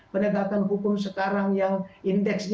penegakan hukum sekarang yang indeksnya